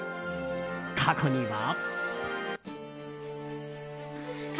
過去には。